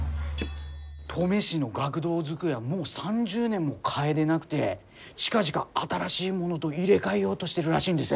登米市の学童机はもう３０年も替えでなくて近々新しいものど入れ替えようどしてるらしいんです。